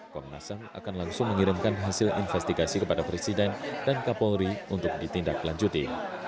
komnas ham akan langsung mengirimkan hasil investigasi kepada presiden dan kapolri untuk ditindaklanjuti